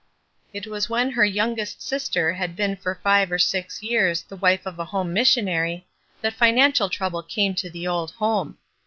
It was when her youngest sister had been for five or six years the wife of a home missionary that financial trouble came to the old home.